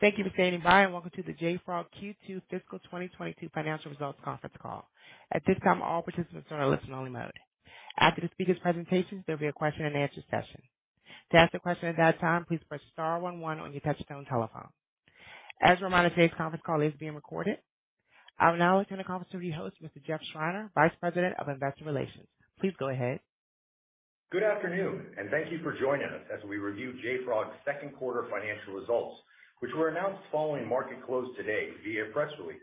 Thank you for standing by, and welcome to the JFrog Q2 fiscal 2022 financial results conference call. At this time, all participants are in a listen-only mode. After the speakers' presentations, there'll be a question and answer session. To ask a question at that time, please press star one one on your touch-tone telephone. As a reminder, today's conference call is being recorded. I will now turn the conference to your host, Mr. Jeffrey Schreiner, Vice President of Investor Relations. Please go ahead. Good afternoon, and thank you for joining us as we review JFrog's second quarter financial results, which were announced following market close today via press release.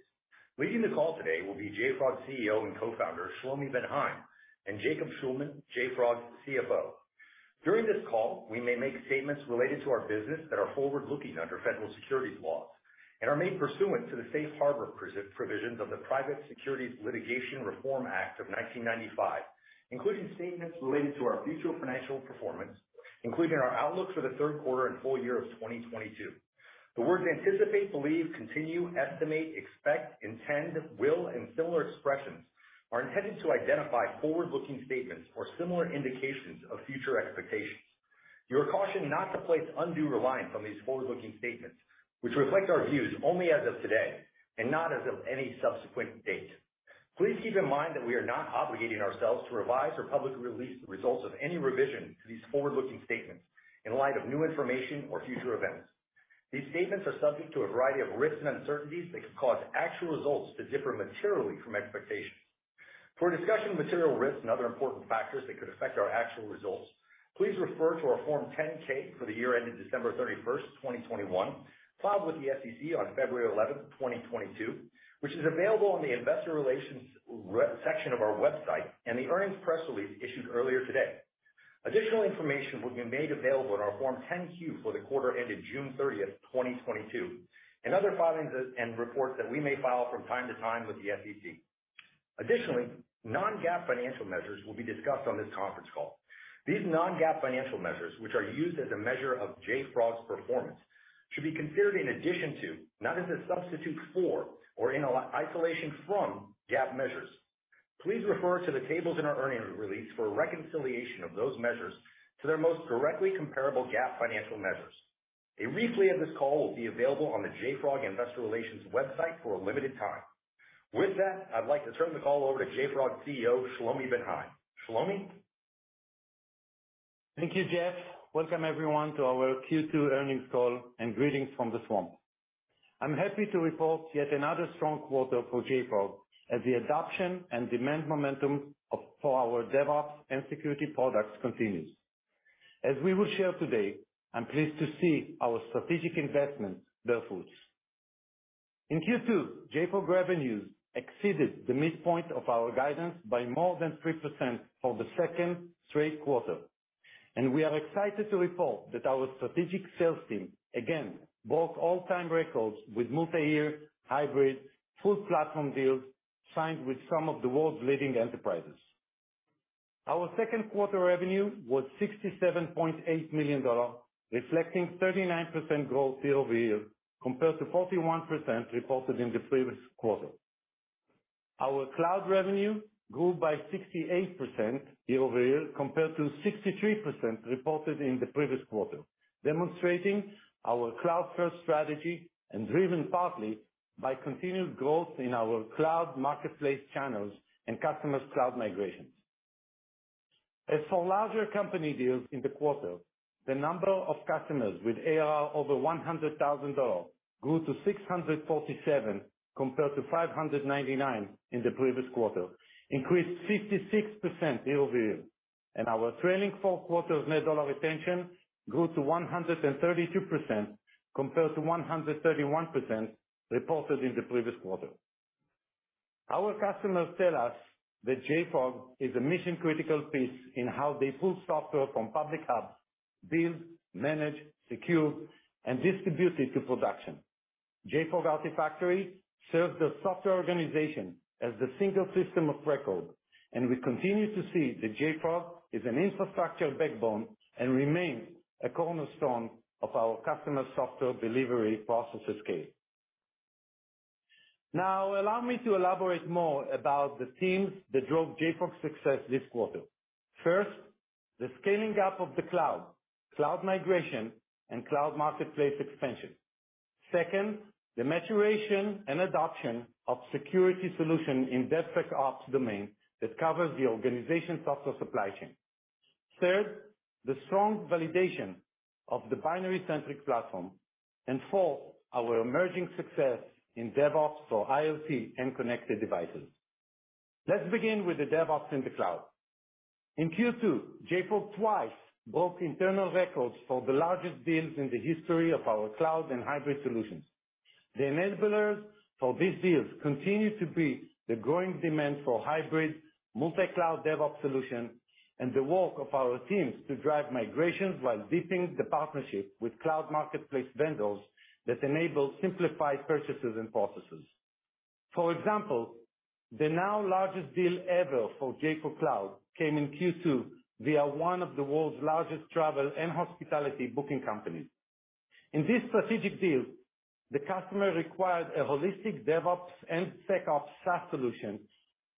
Leading the call today will be JFrog's CEO and Co-founder, Shlomi Ben Haim, and Jacob Shulman, JFrog CFO. During this call, we may make statements related to our business that are forward-looking under federal securities laws and are made pursuant to the Safe Harbor provisions of the Private Securities Litigation Reform Act of 1995, including statements related to our future financial performance, including our outlook for the third quarter and full year of 2022. The words anticipate, believe, continue, estimate, expect, intend, will, and similar expressions are intended to identify forward-looking statements or similar indications of future expectations. You are cautioned not to place undue reliance on these forward-looking statements, which reflect our views only as of today and not as of any subsequent date. Please keep in mind that we are not obligating ourselves to revise or publicly release the results of any revision to these forward-looking statements in light of new information or future events. These statements are subject to a variety of risks and uncertainties that could cause actual results to differ materially from expectations. For a discussion of material risks and other important factors that could affect our actual results, please refer to our Form 10-K for the year ending December 31, 2021, filed with the SEC on February 11, 2022, which is available on the investor relations section of our website and the earnings press release issued earlier today. Additional information will be made available in our Form 10-Q for the quarter ending June 30, 2022, and other filings and reports that we may file from time to time with the SEC. Additionally, non-GAAP financial measures will be discussed on this conference call. These non-GAAP financial measures, which are used as a measure of JFrog's performance, should be considered in addition to, not as a substitute for or in isolation from GAAP measures. Please refer to the tables in our earnings release for a reconciliation of those measures to their most directly comparable GAAP financial measures. A replay of this call will be available on the JFrog Investor Relations website for a limited time. With that, I'd like to turn the call over to JFrog CEO, Shlomi Ben Haim. Shlomi? Thank you, Jeff. Welcome everyone to our Q2 earnings call, and greetings from the swamp. I'm happy to report yet another strong quarter for JFrog as the adoption and demand momentum for our DevOps and security products continues. As we will share today, I'm pleased to see our strategic investment bear fruits. In Q2, JFrog revenues exceeded the midpoint of our guidance by more than 3% for the second straight quarter, and we are excited to report that our strategic sales team again broke all-time records with multi-year hybrid full platform deals signed with some of the world's leading enterprises. Our second quarter revenue was $67.8 million, reflecting 39% growth year-over-year, compared to 41% reported in the previous quarter. Our cloud revenue grew by 68% year-over-year, compared to 63% reported in the previous quarter, demonstrating our cloud-first strategy and driven partly by continued growth in our cloud marketplace channels and customers cloud migrations. As for larger company deals in the quarter, the number of customers with ARR over $100,000 grew to 647 compared to 599 in the previous quarter, increased 66% year-over-year. Our trailing four quarters Net Dollar Retention grew to 132% compared to 131% reported in the previous quarter. Our customers tell us that JFrog is a mission-critical piece in how they pull software from public hubs, build, manage, secure, and distribute it to production. JFrog Artifactory serves the software organization as the single system of record, and we continue to see that JFrog is an infrastructure backbone and remains a cornerstone of our customer software delivery processes scale. Now allow me to elaborate more about the themes that drove JFrog's success this quarter. First, the scaling up of the cloud migration, and cloud marketplace expansion. Second, the maturation and adoption of security solution in DevSecOps domain that covers the organization's software supply chain. Third, the strong validation of the binary-centric platform. Fourth, our emerging success in DevOps for IoT and connected devices. Let's begin with the DevOps in the cloud. In Q2, JFrog twice broke internal records for the largest deals in the history of our cloud and hybrid solutions. The enablers for these deals continue to be the growing demand for hybrid multi-cloud DevOps solution and the work of our teams to drive migrations while deepening the partnership with cloud marketplace vendors that enable simplified purchases and processes. For example, the now largest deal ever for JFrog Cloud came in Q2 via one of the world's largest travel and hospitality booking companies. In this strategic deal. The customer requires a holistic DevOps and SecOps SaaS solution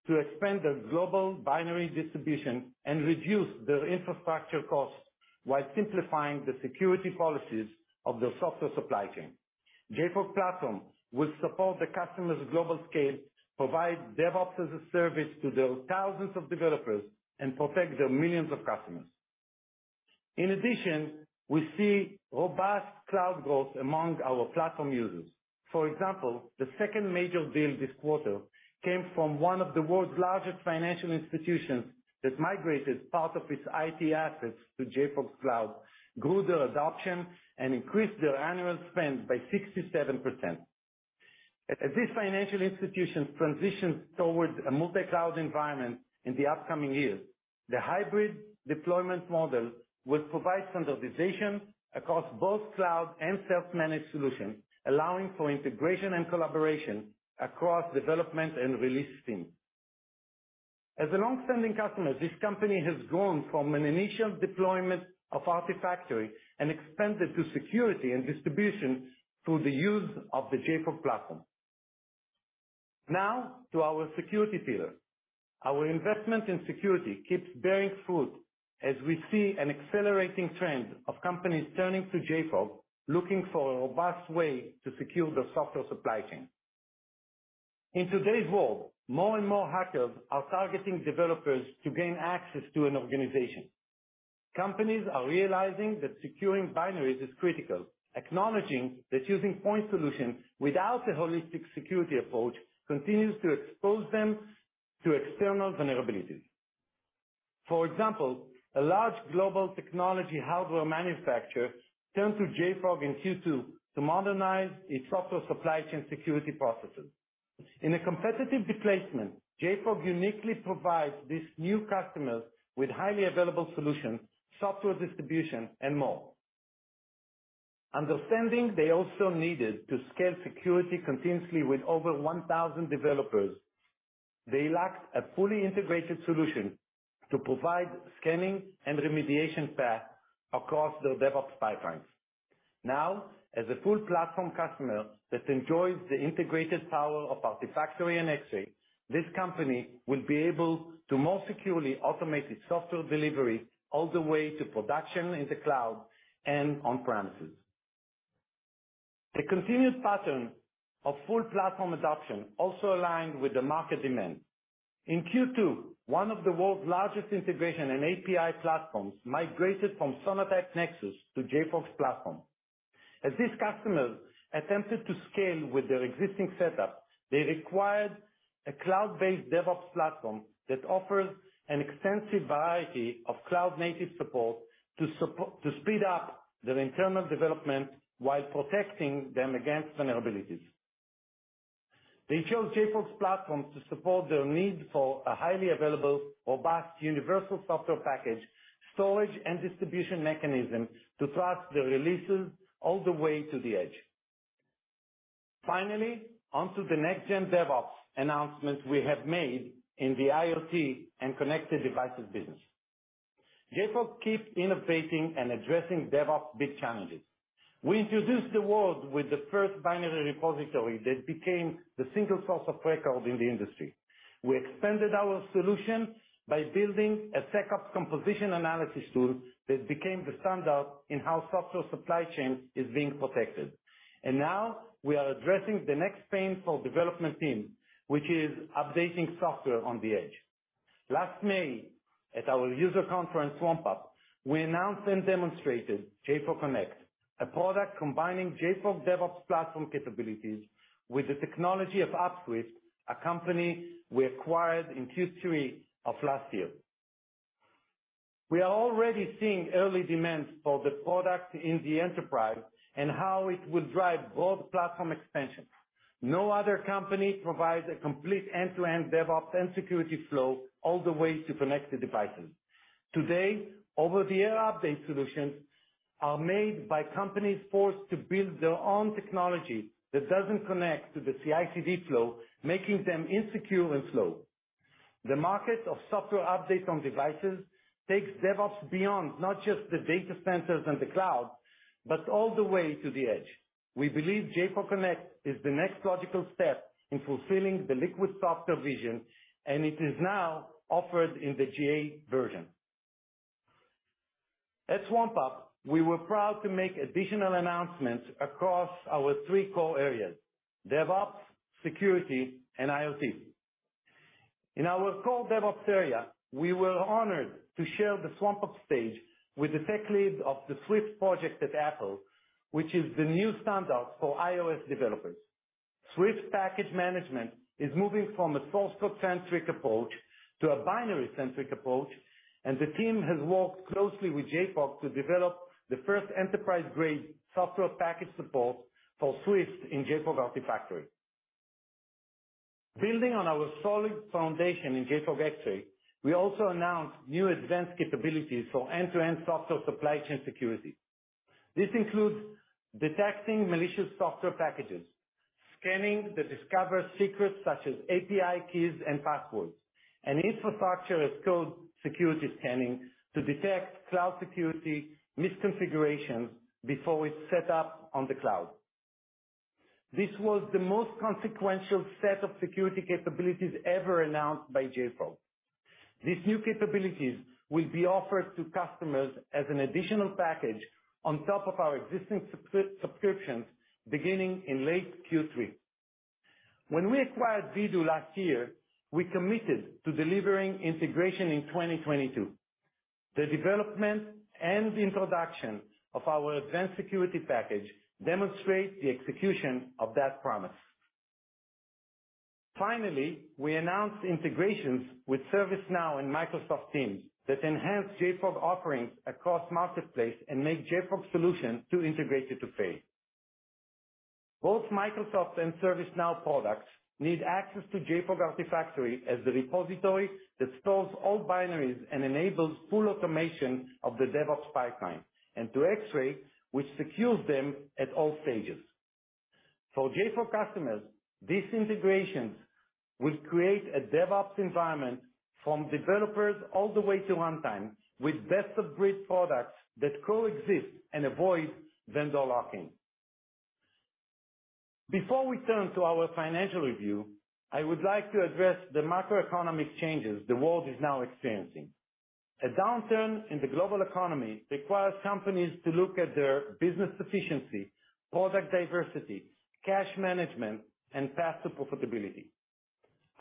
to expand their global binary distribution and reduce their infrastructure costs while simplifying the security policies of their software supply chain. JFrog Platform will support the customer's global scale, provide DevOps as a service to their thousands of developers, and protect their millions of customers. In addition, we see robust cloud growth among our platform users. For example, the second major deal this quarter came from one of the world's largest financial institutions that migrated part of its IT assets to JFrog's cloud, grew their adoption, and increased their annual spend by 67%. As this financial institution transitions towards a multi-cloud environment in the upcoming years, the hybrid deployment model will provide standardization across both cloud and self-managed solutions, allowing for integration and collaboration across development and release teams. As a long-standing customer, this company has gone from an initial deployment of Artifactory and expanded to security and distribution through the use of the JFrog Platform. Now to our security pillar. Our investment in security keeps bearing fruit as we see an accelerating trend of companies turning to JFrog, looking for a robust way to secure their software supply chain. In today's world, more and more hackers are targeting developers to gain access to an organization. Companies are realizing that securing binaries is critical, acknowledging that using point solutions without a holistic security approach continues to expose them to external vulnerabilities. For example, a large global technology hardware manufacturer turned to JFrog in Q2 to modernize its software supply chain security processes. In a competitive displacement, JFrog uniquely provides these new customers with highly available solutions, software distribution, and more. Understanding they also needed to scale security continuously with over 1,000 developers, they lacked a fully integrated solution to provide scanning and remediation path across their DevOps pipelines. Now, as a full platform customer that enjoys the integrated power of Artifactory and Xray, this company will be able to more securely automate its software delivery all the way to production in the cloud and on-premises. The continued pattern of full platform adoption also aligned with the market demand. In Q2, one of the world's largest integration and API platforms migrated from Sonatype Nexus to JFrog's Platform. As this customer attempted to scale with their existing setup, they required a cloud-based DevOps platform that offers an extensive variety of cloud-native support to speed up their internal development while protecting them against vulnerabilities. They chose JFrog's Platform to support their need for a highly available, robust, universal software package, storage and distribution mechanism to track the releases all the way to the edge. Finally, onto the next gen DevOps announcement we have made in the IoT and connected devices business. JFrog keeps innovating and addressing DevOps' big challenges. We introduced the world with the first binary repository that became the single source of record in the industry. We expanded our solution by building a SecOps composition analysis tool that became the standard in how software supply chain is being protected. Now we are addressing the next painful development team, which is updating software on the edge. Last May, at our user conference, SwampUP, we announced and demonstrated JFrog Connect, a product combining JFrog DevOps platform capabilities with the technology of Upswift, a company we acquired in Q3 of last year. We are already seeing early demands for the product in the enterprise and how it will drive both platform expansions. No other company provides a complete end-to-end DevOps and security flow all the way to connected devices. Today, over-the-air update solutions are made by companies forced to build their own technology that doesn't connect to the CI/CD flow, making them insecure and slow. The market of software updates on devices takes DevOps beyond not just the data centers and the cloud, but all the way to the edge. We believe JFrog Connect is the next logical step in fulfilling the Liquid Software vision, and it is now offered in the GA version. At SwampUP, we were proud to make additional announcements across our three core areas, DevOps, security, and IoT. In our core DevOps area, we were honored to share the SwampUP stage with the tech lead of the Swift project at Apple, which is the new standard for iOS developers. Swift package management is moving from a source code-centric approach to a binary-centric approach, and the team has worked closely with JFrog to develop the first enterprise-grade software package support for Swift in JFrog Artifactory. Building on our solid foundation in JFrog Xray, we also announced new advanced capabilities for end-to-end software supply chain security. This includes detecting malicious software packages, scanning that discovers secrets such as API keys and passwords, and Infrastructure as Code security scanning to detect cloud security misconfigurations before it's set up on the cloud. This was the most consequential set of security capabilities ever announced by JFrog. These new capabilities will be offered to customers as an additional package on top of our existing subscriptions beginning in late Q3. When we acquired Vdoo last year, we committed to delivering integration in 2022. The development and introduction of our Advanced Security package demonstrates the execution of that promise. Finally, we announced integrations with ServiceNow and Microsoft Teams that enhance JFrog offerings across marketplace and make JFrog solution more integrated today. Both Microsoft and ServiceNow products need access to JFrog Artifactory as the repository that stores all binaries and enables full automation of the DevOps pipeline, and to Xray, which secures them at all stages. For JFrog customers, these integrations will create a DevOps environment from developers all the way to runtime, with best-of-breed products that coexist and avoid vendor locking. Before we turn to our financial review, I would like to address the macroeconomic changes the world is now experiencing. A downturn in the global economy requires companies to look at their business efficiency, product diversity, cash management, and path to profitability.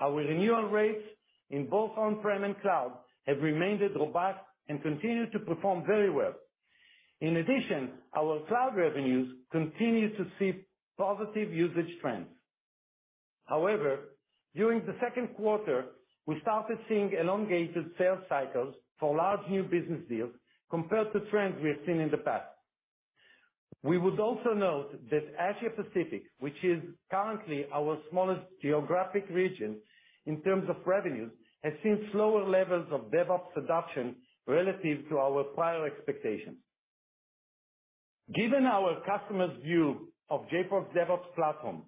Our renewal rates in both on-prem and cloud have remained robust and continue to perform very well. In addition, our cloud revenues continue to see positive usage trends. However, during the second quarter, we started seeing elongated sales cycles for large new business deals compared to trends we have seen in the past. We would also note that Asia Pacific, which is currently our smallest geographic region in terms of revenues, has seen slower levels of DevOps adoption relative to our prior expectations. Given our customers' view of JFrog's DevOps platform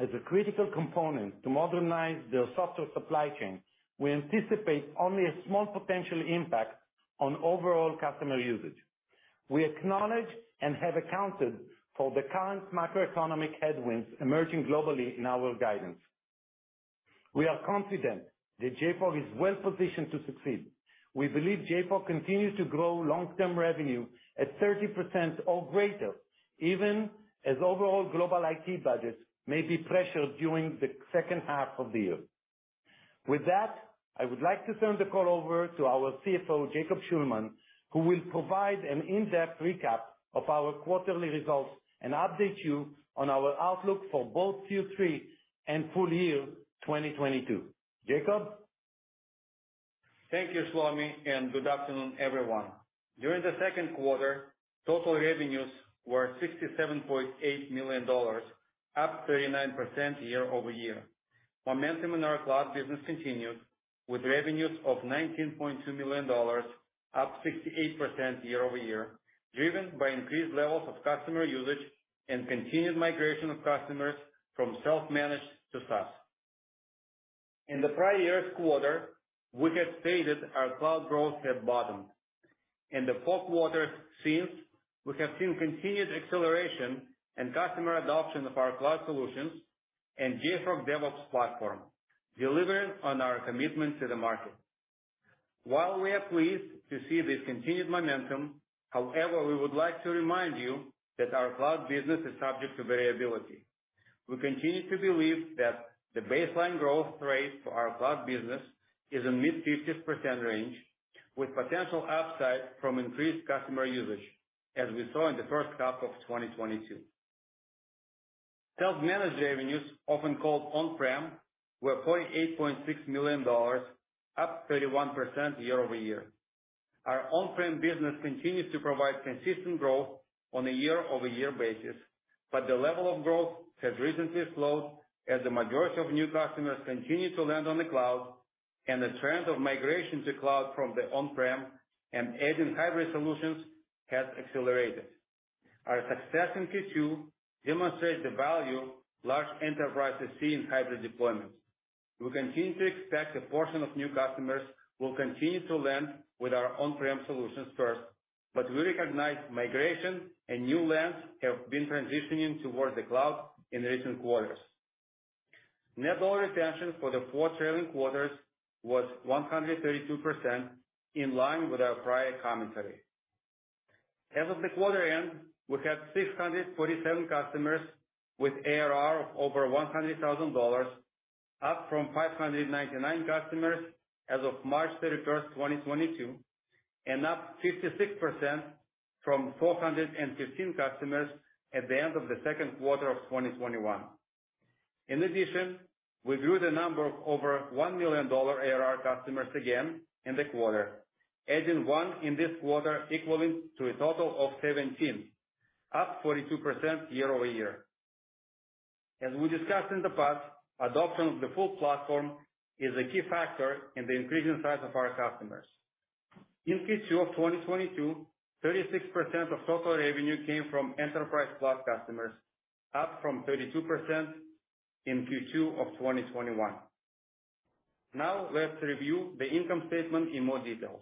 as a critical component to modernize their software supply chain, we anticipate only a small potential impact on overall customer usage. We acknowledge and have accounted for the current macroeconomic headwinds emerging globally in our guidance. We are confident that JFrog is well-positioned to succeed. We believe JFrog continues to grow long-term revenue at 30% or greater, even as overall global IT budgets may be pressured during the second half of the year. With that, I would like to turn the call over to our CFO, Jacob Shulman, who will provide an in-depth recap of our quarterly results and update you on our outlook for both Q3 and full year 2022. Jacob? Thank you, Shlomi, and good afternoon, everyone. During the second quarter, total revenues were $67.8 million, up 39% year-over-year. Momentum in our cloud business continued with revenues of $19.2 million, up 68% year-over-year, driven by increased levels of customer usage and continued migration of customers from self-managed to SaaS. In the prior year's quarter, we had stated our cloud growth had bottomed. In the four quarters since, we have seen continued acceleration and customer adoption of our cloud solutions and JFrog DevOps platform, delivering on our commitment to the market. While we are pleased to see this continued momentum, however, we would like to remind you that our cloud business is subject to variability. We continue to believe that the baseline growth rate for our cloud business is in mid-50s% range, with potential upside from increased customer usage, as we saw in the first half of 2022. Self-managed revenues, often called on-prem, were $48.6 million, up 31% year-over-year. Our on-prem business continues to provide consistent growth on a year-over-year basis, but the level of growth has recently slowed as the majority of new customers continue to land on the cloud, and the trend of migration to cloud from the on-prem and adding hybrid solutions has accelerated. Our success in Q2 demonstrates the value large enterprises see in hybrid deployments. We continue to expect a portion of new customers will continue to land with our on-prem solutions first, but we recognize migration and new lands have been transitioning towards the cloud in recent quarters. Net Dollar Retention for the four trailing quarters was 132%, in line with our prior commentary. As of the quarter end, we had 647 customers with ARR of over $100,000, up from 599 customers as of March 31, 2022, and up 56% from 415 customers at the end of the second quarter of 2021. In addition, we grew the number of over $1 million ARR customers again in the quarter, adding one in this quarter, equaling to a total of 17, up 42% year-over-year. As we discussed in the past, adoption of the full platform is a key factor in the increasing size of our customers. In Q2 of 2022, 36% of total revenue came from Enterprise+ customers, up from 32% in Q2 of 2021. Now let's review the income statement in more details.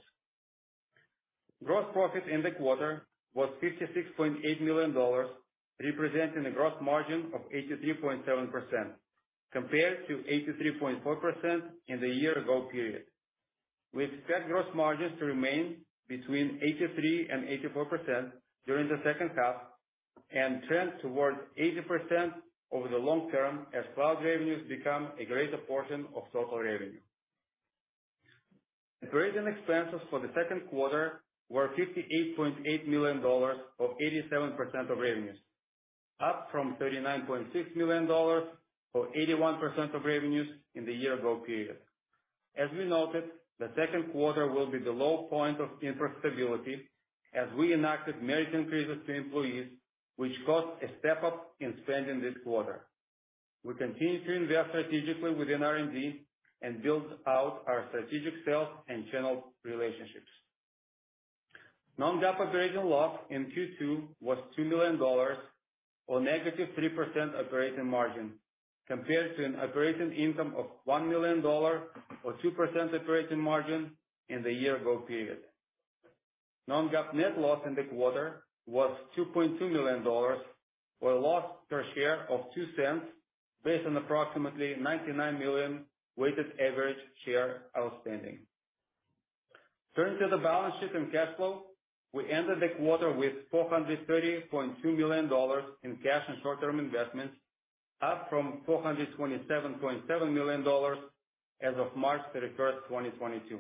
Gross profit in the quarter was $56.8 million, representing a gross margin of 83.7% compared to 83.4% in the year ago period. We expect gross margins to remain between 83%-84% during the second half and trend towards 80% over the long term as cloud revenues become a greater portion of total revenue. Operating expenses for the second quarter were $58.8 million, or 87% of revenues, up from $39.6 million, or 81% of revenues in the year ago period. As we noted, the second quarter will be the low point of infrastructure stability as we enacted merit increases to employees, which caused a step up in spending this quarter. We continue to invest strategically within R&D and build out our strategic sales and channel relationships. Non-GAAP operating loss in Q2 was $2 million or -3% operating margin, compared to an operating income of $1 million or 2% operating margin in the year ago period. Non-GAAP net loss in the quarter was $2.2 million, or a loss per share of $0.02, based on approximately 99 million weighted average share outstanding. Turning to the balance sheet and cash flow. We ended the quarter with $430.2 million in cash and short-term investments, up from $427.7 million as of March 31, 2022.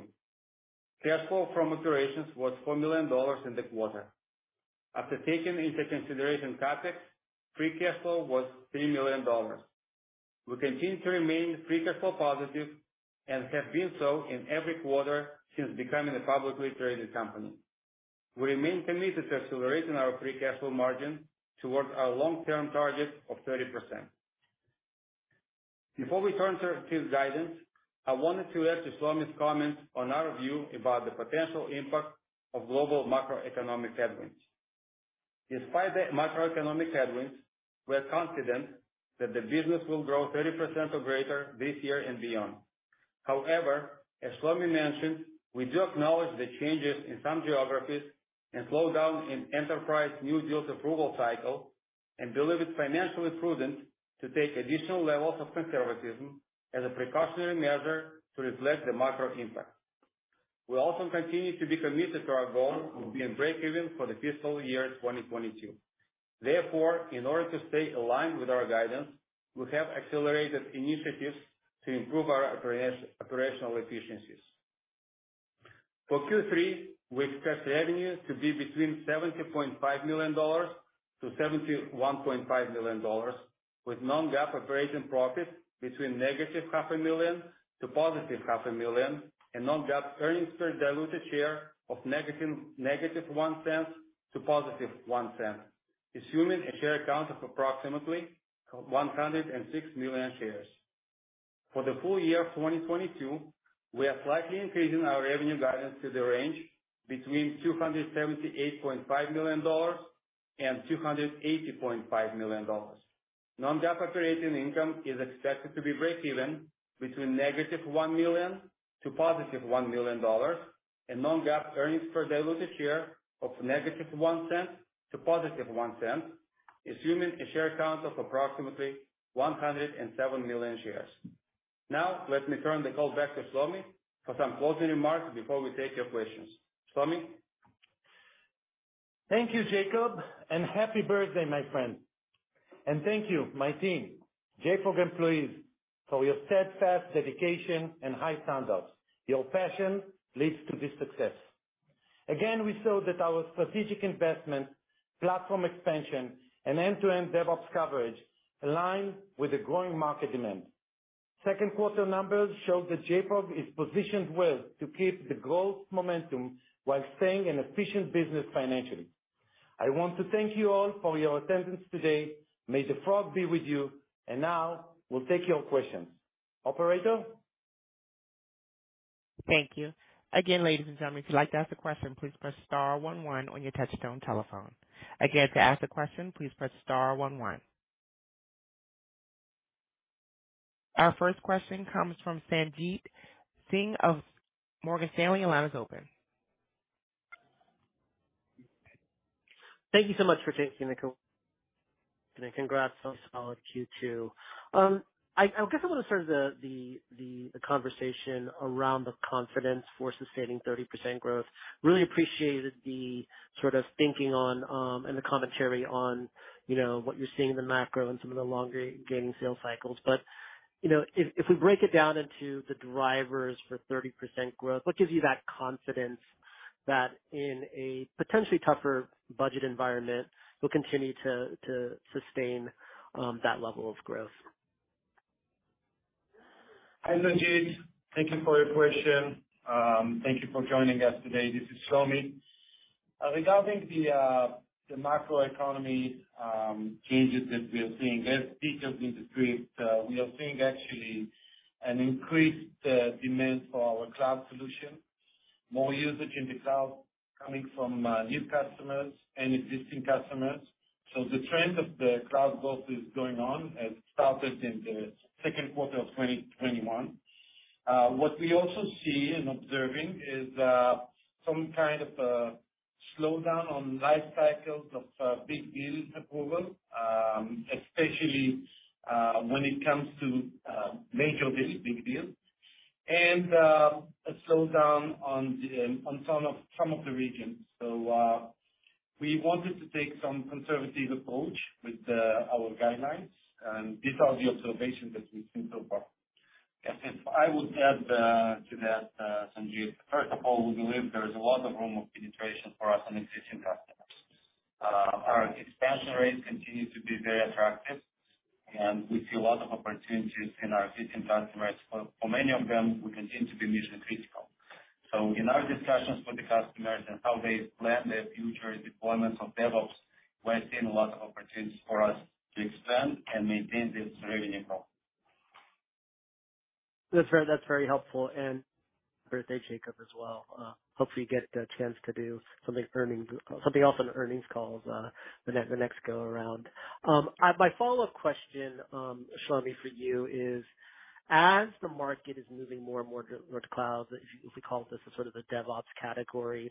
Cash flow from operations was $4 million in the quarter. After taking into consideration CapEx, free cash flow was $3 million. We continue to remain free cash flow positive and have been so in every quarter since becoming a publicly traded company. We remain committed to accelerating our free cash flow margin towards our long-term target of 30%. Before we turn to our Q guidance, I wanted to let Shlomi comment on our view about the potential impact of global macroeconomic headwinds. Despite the macroeconomic headwinds, we are confident that the business will grow 30% or greater this year and beyond. However, as Shlomi mentioned, we do acknowledge the changes in some geographies and slowdown in enterprise new deals approval cycle and believe it's financially prudent to take additional levels of conservatism as a precautionary measure to reflect the macro impact. We also continue to be committed to our goal of being break-even for the fiscal year 2022. Therefore, in order to stay aligned with our guidance, we have accelerated initiatives to improve our operational efficiencies. For Q3, we expect revenue to be between $70.5 million-$71.5 million, with non-GAAP operating profit between -$500,000 to +$500,000 and non-GAAP earnings per diluted share of -$0.01 to +$0.01, assuming a share count of approximately 106 million shares. For the full year of 2022, we are slightly increasing our revenue guidance to the range between $278.5 million and $280.5 million. Non-GAAP operating income is expected to be break-even between -$1 million to +$1 million and non-GAAP earnings per diluted share of -$0.01 to +$0.01, assuming a share count of approximately $107 million shares. Now let me turn the call back to Shlomi for some closing remarks before we take your questions. Shlomi? Thank you, Jacob, and happy birthday my friend. Thank you my team, JFrog employees for your steadfast dedication and high standards. Your passion leads to this success. Again, we show that our strategic investment, platform expansion and end-to-end DevOps coverage align with the growing market demand. Second quarter numbers show that JFrog is positioned well to keep the growth momentum while staying an efficient business financially. I want to thank you all for your attendance today. May the JFrog be with you. Now we'll take your questions. Operator? Thank you. Again, ladies and gentlemen, if you'd like to ask a question, please press star one one on your touchtone telephone. Again, to ask a question, please press star one one. Our first question comes from Sanjit Singh of Morgan Stanley. Your line is open. Thank you so much for taking the call. Congrats on a solid Q2. I guess I wanna start the conversation around the confidence for sustaining 30% growth. Really appreciated the sort of thinking on, and the commentary on, you know, what you're seeing in the macro and some of the lengthening sales cycles. You know, if we break it down into the drivers for 30% growth, what gives you that confidence that in a potentially tougher budget environment, we'll continue to sustain that level of growth? Hi, Sanjit. Thank you for your question. Thank you for joining us today. This is Shlomi. Regarding the macroeconomy changes that we are seeing, as we speak, we are seeing actually an increased demand for our cloud solution, more usage in the cloud coming from new customers and existing customers. The trend of the cloud growth is going on. It started in the second quarter of 2021. What we also see and observing is some kind of slowdown on life cycles of big deals approval, especially when it comes to major big deals and a slowdown on some of the regions. We wanted to take some conservative approach with our guidance, and these are the observations that we've seen so far. Yes. If I would add to that, Sanjit, first of all, we believe there is a lot of room for penetration for us on existing customers. Our expansion rates continue to be very attractive, and we see a lot of opportunities in our existing customers. For many of them, we continue to be mission-critical. In our discussions with the customers and how they plan their future deployments of DevOps, we are seeing a lot of opportunities for us to expand and maintain this revenue growth. That's very helpful. Happy birthday, Jacob, as well. Hopefully you get the chance to do something else on earnings calls the next go around. My follow-up question, Shlomi, for you is, as the market is moving more and more toward cloud, if we call this a sort of a DevOps category,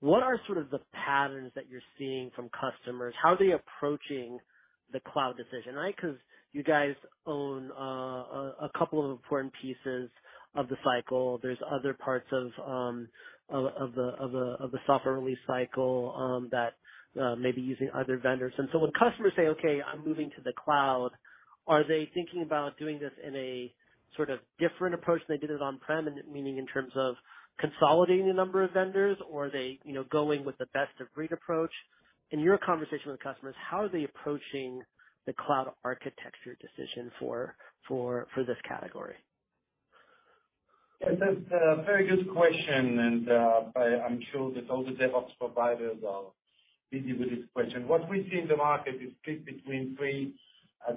what are sort of the patterns that you're seeing from customers? How are they approaching the cloud decision, right? 'Cause you guys own a couple of important pieces of the cycle. There's other parts of the software release cycle that may be using other vendors. When customers say, "Okay, I'm moving to the cloud," are they thinking about doing this in a sort of different approach than they did it on-prem, and meaning in terms of consolidating the number of vendors? Or are they, you know, going with the best of breed approach? In your conversation with customers, how are they approaching the cloud architecture decision for this category? Yeah, that's a very good question and I'm sure that all the DevOps providers are busy with this question. What we see in the market is split between three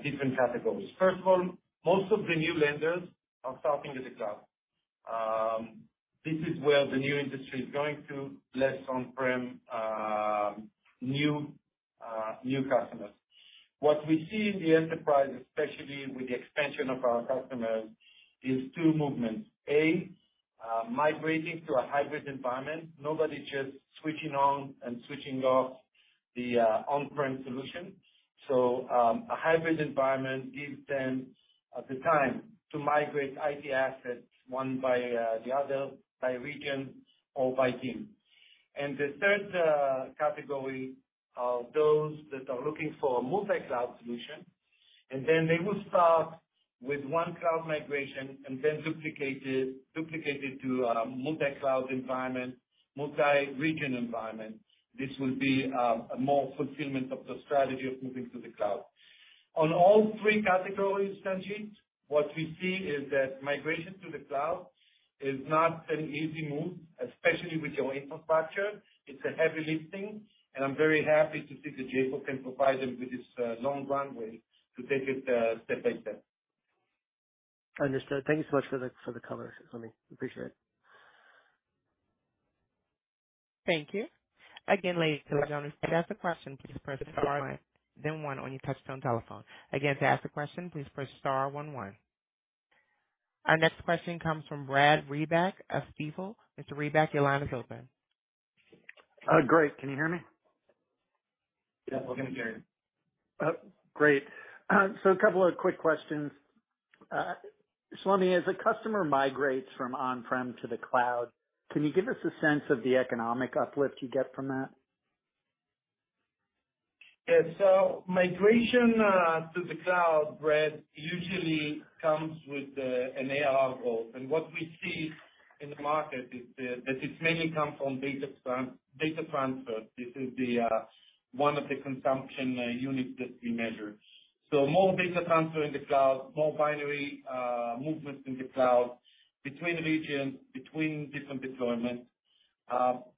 different categories. First of all, most of the new vendors are starting in the cloud. This is where the new industry is going to less on-prem, new customers. What we see in the enterprise, especially with the expansion of our customers, is two movements. A migrating to a hybrid environment. Nobody's just switching on and switching off the on-prem solution. A hybrid environment gives them the time to migrate IT assets one by the other, by region or by team. The third category are those that are looking for a multi-cloud solution. They will start with one cloud migration and then duplicate it to a multi-cloud environment, multi-region environment. This will be a more fulfillment of the strategy of moving to the cloud. On all three categories, Sanjit, what we see is that migration to the cloud is not an easy move, especially with your infrastructure. It's a heavy lifting, and I'm very happy to see that JFrog can provide them with this long runway to take it step by step. Understood. Thank you so much for the color, Shlomi. Appreciate it. Thank you. Again, ladies and gentlemen, if you'd ask a question, please press star one, then one on your touchtone telephone. Again, to ask a question, please press star one one. Our next question comes from Brad Reback of Stifel. Mr. Reback, your line is open. Great. Can you hear me? Yes, we can hear you. Great. A couple of quick questions. Shlomi, as a customer migrates from on-prem to the cloud, can you give us a sense of the economic uplift you get from that? Yeah. Migration to the cloud, Brad, usually comes with an ARR growth. What we see in the market is that it mainly comes from data transfer. This is one of the consumption units that we measure. More data transfer in the cloud, more binary movements in the cloud between regions, between different deployments.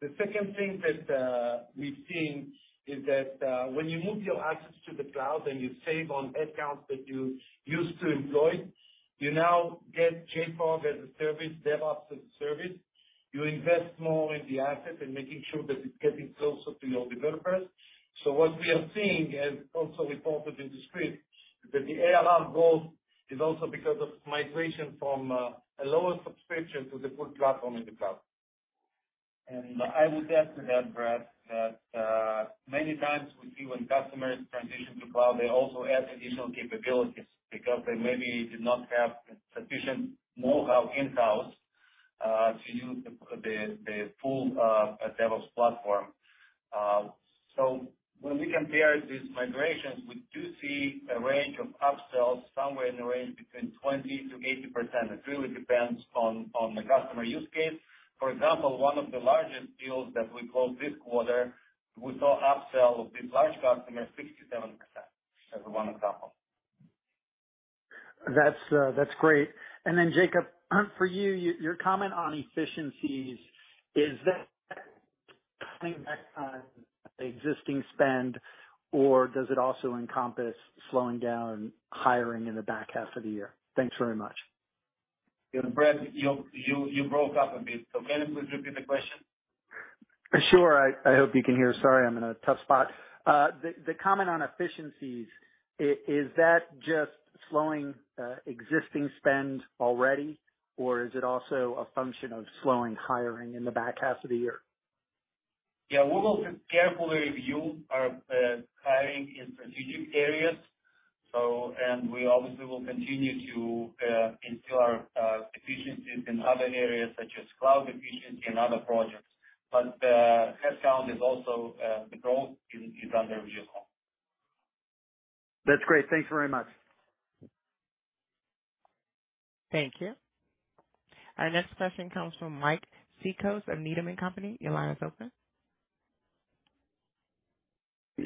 The second thing that we've seen is that when you move your assets to the cloud and you save on headcounts that you used to employ, you now get JFrog as a service, DevOps as a service. You invest more in the asset and making sure that it's getting closer to your developers. What we are seeing, as also reported in the script, that the ARR growth is also because of migration from a lower subscription to the full platform in the cloud. I would add to that, Brad, that many times we see when customers transition to cloud, they also add additional capabilities because they maybe did not have sufficient know-how in-house to use the full DevOps platform. When we compare these migrations, we do see a range of upsells somewhere in the range between 20%-80%. It really depends on the customer use case. For example, one of the largest deals that we closed this quarter, we saw upsell of this large customer 67% as one example. That's great. Then Jacob, for you, your comment on efficiencies, is that cutting back on existing spend or does it also encompass slowing down hiring in the back half of the year? Thanks very much. Yeah, Brad, you broke up a bit, so can you please repeat the question? Sure. I hope you can hear. Sorry, I'm in a tough spot. The comment on efficiencies, is that just slowing existing spend already or is it also a function of slowing hiring in the back half of the year? Yeah, we will carefully review our hiring in strategic areas. We obviously will continue to ensure our efficiencies in other areas such as cloud efficiency and other projects. The headcount is also the growth is under review. That's great. Thanks very much. Thank you. Our next question comes from Michael Cikos of Needham & Company. Your line is open.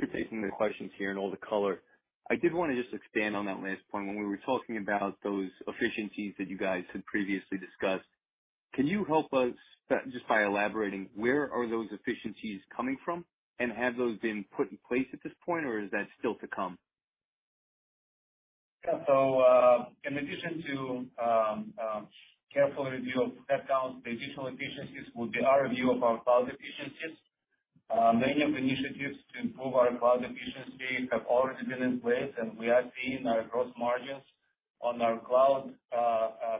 Thank you for taking the questions here and all the color. I did wanna just expand on that last point when we were talking about those efficiencies that you guys had previously discussed. Can you help us, just by elaborating, where are those efficiencies coming from? Have those been put in place at this point or is that still to come? Yeah. In addition to careful review of headcounts, the additional efficiencies will be our review of our cloud efficiencies. Many of our initiatives to improve our cloud efficiency have already been in place and we are seeing our gross margins on our cloud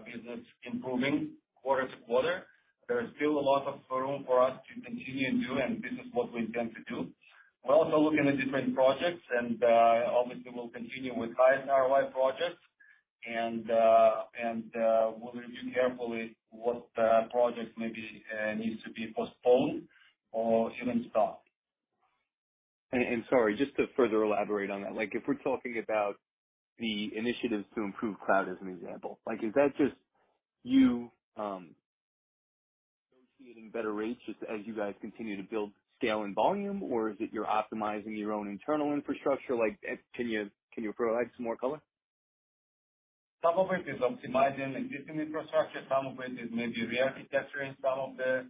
business improving quarter-over-quarter. There is still a lot of room for us to continue to do and this is what we intend to do. We're also looking at different projects and obviously we'll continue with high ROI projects and we'll review carefully what projects maybe needs to be postponed or even stopped. Sorry, just to further elaborate on that. Like, if we're talking about the initiatives to improve cloud as an example, like is that just you negotiating better rates just as you guys continue to build scale and volume or is it you're optimizing your own internal infrastructure? Like can you provide some more color? Some of it is optimizing existing infrastructure, some of it is maybe re-architecting some of the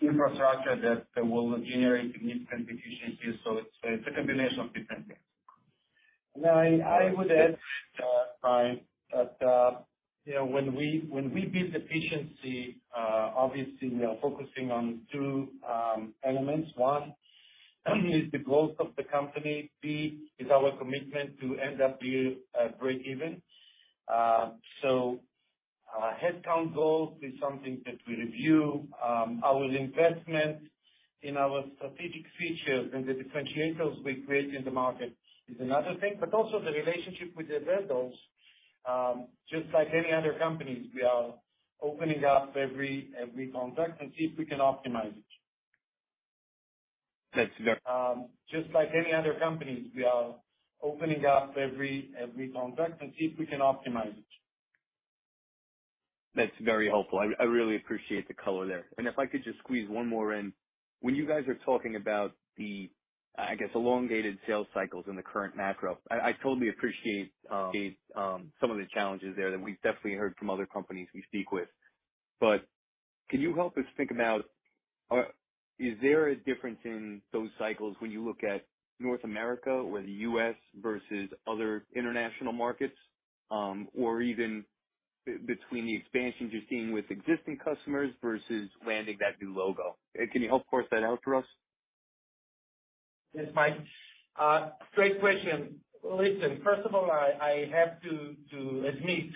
infrastructure that will generate different efficiencies. It's a combination of different things. I would add, Mike, that you know, when we build efficiency, obviously we are focusing on two elements. One is the growth of the company, two is our commitment to end up being breakeven. Our headcount goals is something that we review. Our investment in our strategic features and the differentiators we create in the market is another thing. Also the relationship with the vendors, just like any other companies, we are opening up every contract and see if we can optimize it. That's very. Just like any other companies, we are opening up every contract and see if we can optimize it. That's very helpful. I really appreciate the color there. If I could just squeeze one more in. When you guys are talking about the, I guess, elongated sales cycles in the current macro, I totally appreciate some of the challenges there that we've definitely heard from other companies we speak with. Can you help us think about is there a difference in those cycles when you look at North America or the U.S. versus other international markets, or even between the expansion you're seeing with existing customers versus landing that new logo? Can you help parse that out for us? Yes, Mike. Great question. Listen, first of all, I have to admit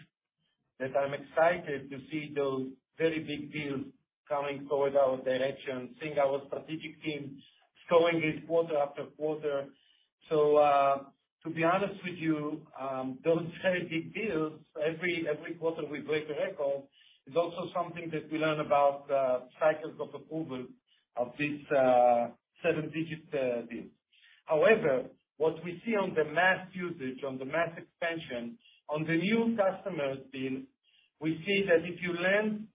that I'm excited to see those very big deals coming toward our direction, seeing our strategic team scoring it quarter after quarter. To be honest with you, those very big deals, every quarter we break a record, is also something that we learn about cycles of approval of this seven-digit deal. However, what we see on the mass usage, on the mass expansion, on the new customers deal, we see that if you land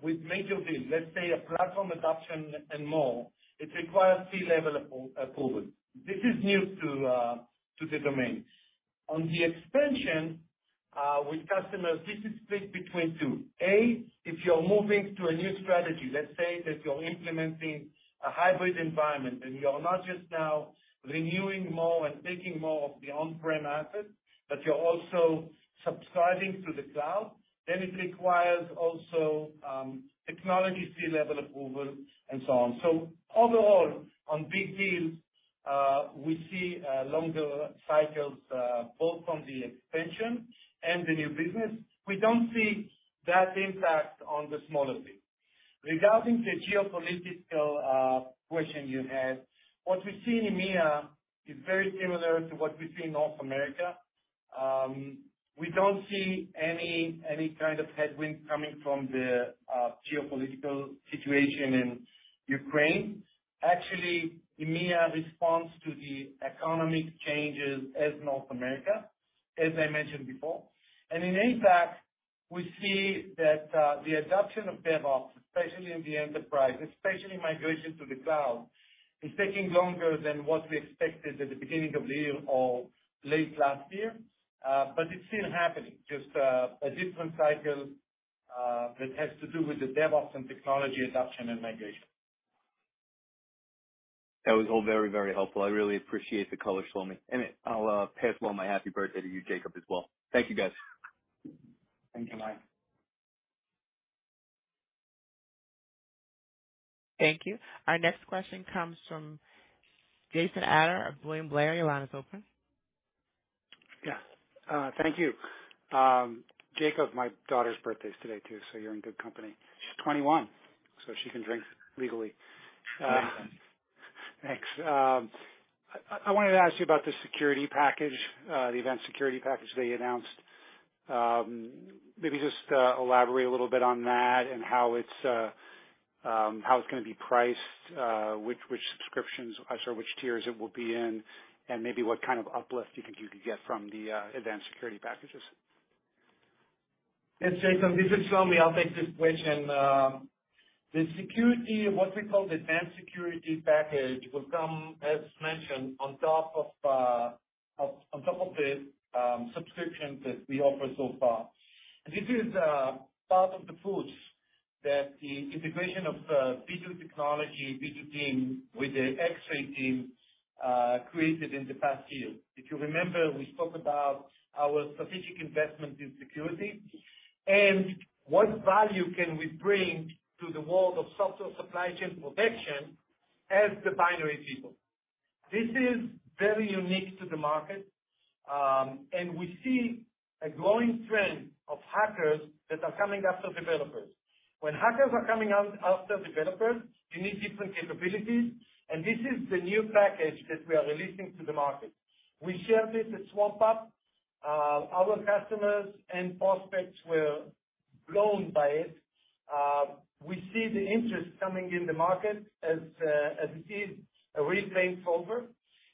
with major deals, let's say a platform adoption and more, it requires C-level approval. This is new to the domain. On the expansion with customers, this is split between two. A, if you're moving to a new strategy. Let's say that you're implementing a hybrid environment, and you are not just now renewing more and taking more of the on-prem assets, but you're also subscribing to the cloud, then it requires also technology C-level approval and so on. Overall, on big deals, we see longer cycles both on the expansion and the new business. We don't see that impact on the smaller deals. Regarding the geopolitical question you had, what we see in EMEA is very similar to what we see in North America. We don't see any kind of headwind coming from the geopolitical situation in Ukraine. Actually, EMEA responds to the economic changes as North America, as I mentioned before. In APAC, we see that the adoption of DevOps, especially in the enterprise, especially migration to the cloud, is taking longer than what we expected at the beginning of the year or late last year. It's still happening, just a different cycle that has to do with the DevOps and technology adoption and migration. That was all very, very helpful. I really appreciate the color, Shlomi. I'll pass along my happy birthday to you, Jacob, as well. Thank you, guys. Thank you, Mike. Thank you. Our next question comes from Jason Ader of William Blair. Your line is open. Yeah. Thank you. Jacob, my daughter's birthday is today, too, so you're in good company. She's 21, so she can drink legally. Thanks. I wanted to ask you about the security package, the JFrog Advanced Security that you announced. Maybe just elaborate a little bit on that and how it's gonna be priced, which subscriptions or sorry, which tiers it will be in, and maybe what kind of uplift you think you could get from the event security packages. Yes, Jason, this is Shlomi. I'll take this question. The security, what we call the JFrog Advanced Security, will come, as mentioned, on top of the subscriptions that we offer so far. This is part of the push that the integration of Vdoo technology, Vdoo team with the Xray team created in the past year. If you remember, we spoke about our strategic investment in security and what value can we bring to the world of software supply chain protection as the binary people. This is very unique to the market, and we see a growing trend of hackers that are coming after developers. When hackers are coming after developers, you need different capabilities, and this is the new package that we are releasing to the market. We shared it at SwampUP. Our customers and prospects were blown away by it. We see the interest coming in the market as it is a reclaimed solver.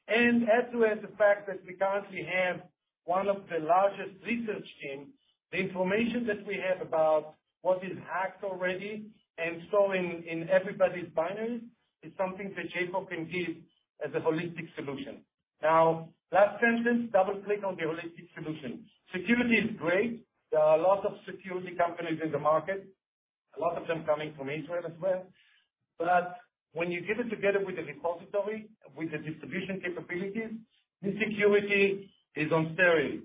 Add to it the fact that we currently have one of the largest research teams, the information that we have about what is hacked already and so in everybody's binaries is something that Jacob can give as a holistic solution. Now, last sentence, double click on the holistic solution. Security is great. There are a lot of security companies in the market, a lot of them coming from Israel as well. When you give it together with the repository, with the distribution capabilities, the security is on steroids.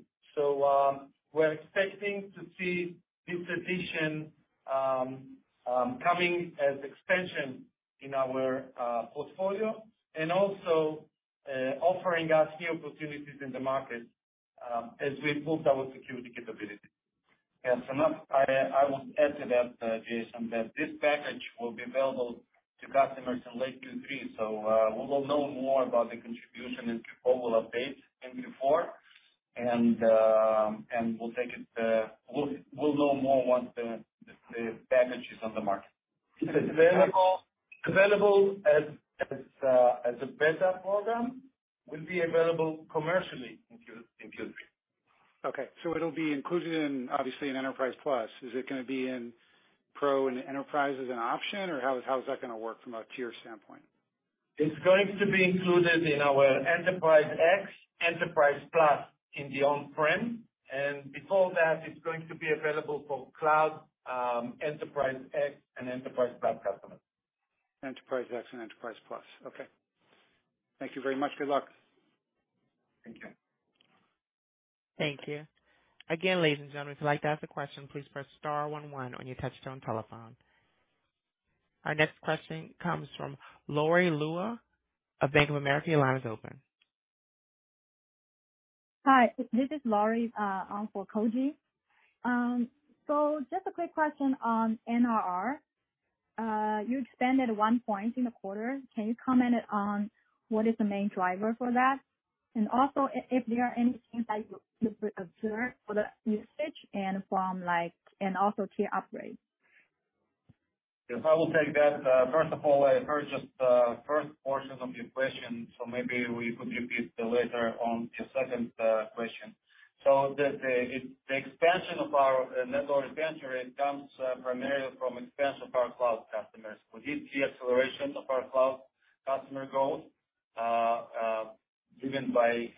We're expecting to see this addition coming as expansion in our portfolio and also offering us new opportunities in the market as we build our security capabilities. Yes, I would add to that, Jason Ader, that this package will be available to customers in late Q3. We will know more about the contribution, and we'll update in Q4. We'll know more once the package is on the market. It's available as a beta program, will be available commercially in Q3. Okay. It'll be included in, obviously, in Enterprise+. Is it gonna be in Pro and Enterprise as an option, or how is that gonna work from a tier standpoint? It's going to be included in our Enterprise X, Enterprise+ in the on-prem. Before that, it's going to be available for cloud, Enterprise X, and Enterprise+ customers. Enterprise X and Enterprise+. Okay. Thank you very much. Good luck. Thank you. Thank you. Again, ladies and gentlemen, if you'd like to ask a question, please press star one one on your touchtone telephone. Our next question comes from Laurie Loh of Bank of America. Your line is open. Hi, this is Laurie on for Koji. Just a quick question on NRR. You expanded one point in the quarter. Can you comment on what is the main driver for that? Also, if there are any things that you've observed for the usage and from like, and also tier upgrade. Yes, I will take that. First of all, I heard just the first portion of your question, so maybe we could repeat the latter part of your second question. The expansion of our Net Dollar Retention rate comes primarily from expansion of our cloud customers. We did see acceleration of our cloud customer growth, driven by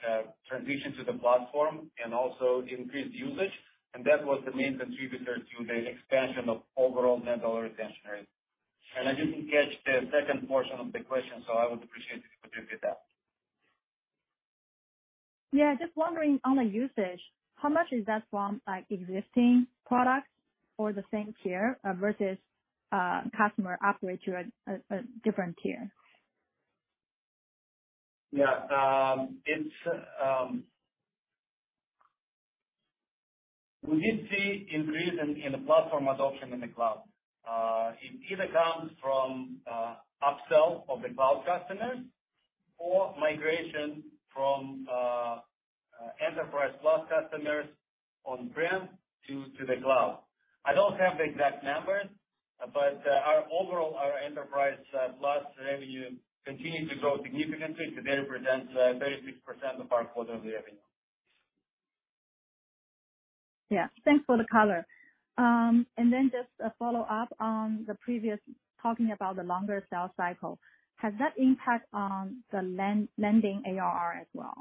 transition to the platform and also increased usage, and that was the main contributor to the expansion of overall Net Dollar Retention rate. I didn't catch the second portion of the question, so I would appreciate if you could repeat that. Yeah. Just wondering on the usage, how much is that from, like, existing products or the same tier, versus, customer upgrade to a different tier? Yeah. We did see increase in the platform adoption in the cloud. It either comes from upsell of the cloud customers or migration from Enterprise+ customers on-prem to the cloud. I don't have the exact numbers. Our overall Enterprise+ revenue continued to grow significantly. It represents 36% of our quarterly revenue. Yeah. Thanks for the color. Just a follow-up on the previous, talking about the longer sales cycle. Has that impact on the landing ARR as well?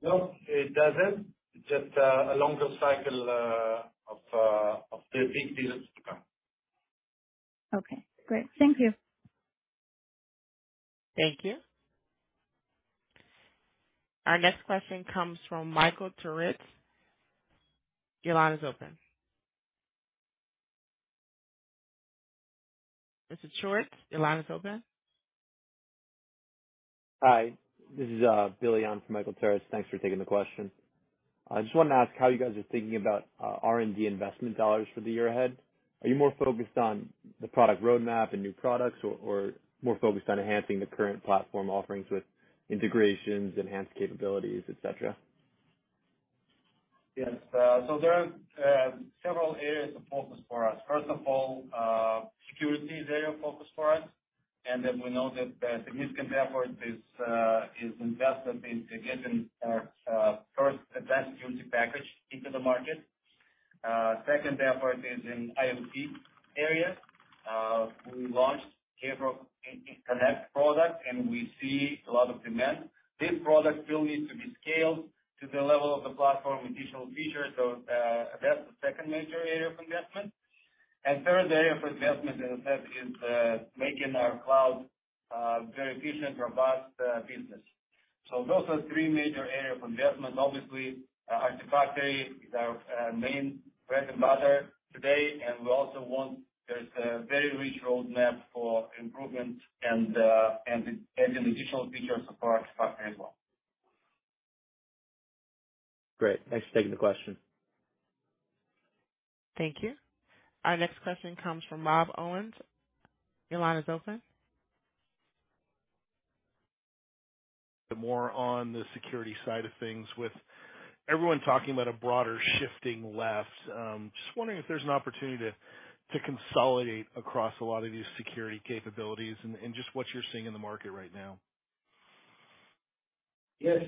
No, it doesn't. Just a longer cycle of the big deals to come. Okay, great. Thank you. Thank you. Our next question comes from Michael Turits. Your line is open. Mr. Turits, your line is open. Hi, this is Billy on for Michael Turits. Thanks for taking the question. I just wanted to ask how you guys are thinking about R&D investment dollars for the year ahead. Are you more focused on the product roadmap and new products or more focused on enhancing the current platform offerings with integrations, enhanced capabilities, et cetera? Yes. So there are several areas of focus for us. First of all, security is area of focus for us, and then we know that the significant effort is investment in getting our first Advanced Security package into the market. Second, effort is in IoT area. We launched JFrog Connect product, and we see a lot of demand. This product still needs to be scaled to the level of the platform with additional features. That's the second major area of investment. Third, area of investment, as I said, is making our cloud very efficient, robust business. Those are three major area of investment. Obviously, our JFrog is our main bread and butter today, and we also want there's a very rich roadmap for improvement and an additional feature support as well. Great. Thanks for taking the question. Thank you. Our next question comes from Rob Owens. Your line is open. More on the security side of things. With everyone talking about a broader shifting left, just wondering if there's an opportunity to consolidate across a lot of these security capabilities and just what you're seeing in the market right now? Yes.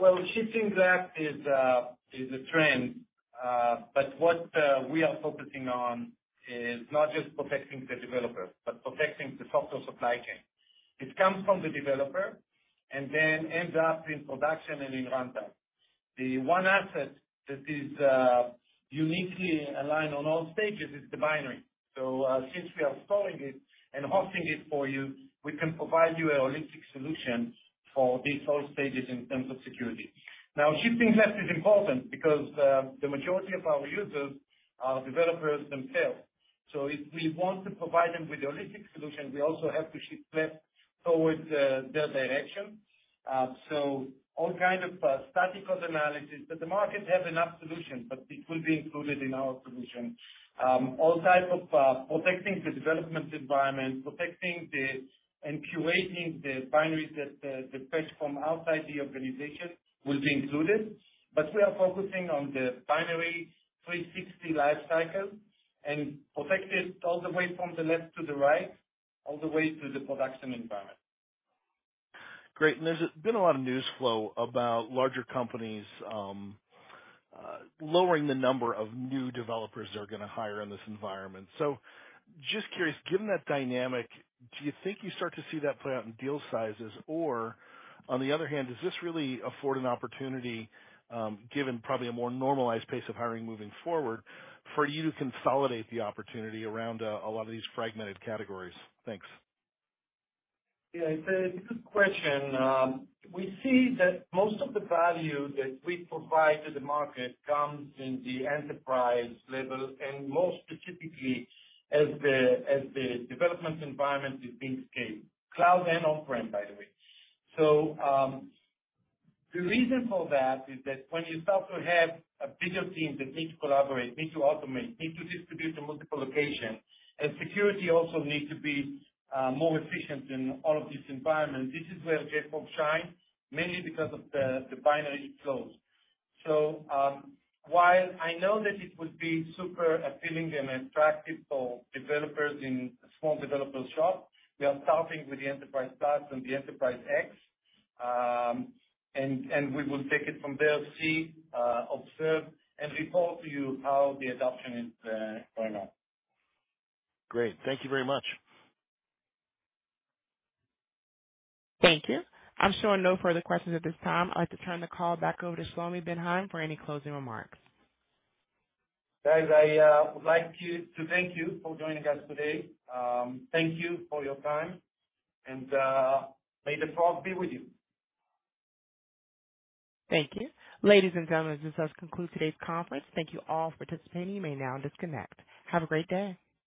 Well, shifting left is a trend. What we are focusing on is not just protecting the developer, but protecting the software supply chain. It comes from the developer and then ends up in production and in runtime. The one asset that is uniquely aligned on all stages is the binary. Since we are storing it and hosting it for you, we can provide you a holistic solution for these whole stages in terms of security. Now, shifting left is important because the majority of our users are developers themselves. If we want to provide them with a holistic solution, we also have to shift left towards their direction. All kind of static code analysis, but the market have enough solutions, but it will be included in our solution. All types of protecting the development environment and curating the binaries that they fetch from outside the organization will be included. We are focusing on the binary 360 lifecycle and protect it all the way from the left to the right, all the way to the production environment. Great. There's been a lot of news flow about larger companies lowering the number of new developers they're gonna hire in this environment. Just curious, given that dynamic, do you think you start to see that play out in deal sizes? Or on the other hand, does this really afford an opportunity, given probably a more normalized pace of hiring moving forward, for you to consolidate the opportunity around a lot of these fragmented categories? Thanks. Yeah, it's a good question. We see that most of the value that we provide to the market comes in the enterprise level, and more specifically, as the development environment is being scaled, cloud and on-prem, by the way. The reason for that is that when you start to have a bigger team that needs to collaborate, need to automate, need to distribute to multiple locations, and security also need to be more efficient in all of these environments. This is where JFrog shines, mainly because of the binary flows. While I know that it would be super appealing and attractive for developers in small developer shop, we are starting with the Enterprise+ and the Enterprise X. And we will take it from there, observe and report to you how the adoption is going on. Great. Thank you very much. Thank you. I'm showing no further questions at this time. I'd like to turn the call back over to Shlomi Ben Haim for any closing remarks. Guys, I would like to thank you for joining us today. Thank you for your time and may the frog be with you. Thank you. Ladies and gentlemen, this does conclude today's conference. Thank you all for participating. You may now disconnect. Have a great day.